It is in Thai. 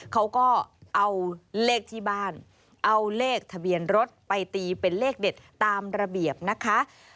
เขาก็เอาเลขที่บ้านเอาเลขทะเบียนรถไปตีเป็นเลขเด็ดตามระเบียบนะคะ